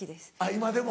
今でも。